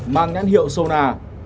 mang nhãn hiệu sona